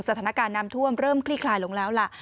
สถานการณ์น้ำท่วมเริ่มคลี่คลายลงแล้วล่ะ